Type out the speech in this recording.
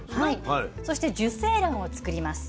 そして受精卵をつくります。